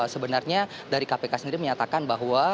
sebenarnya dari kpk sendiri menyatakan bahwa